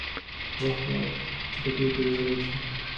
وخت په چټکۍ تېرېدلی شي.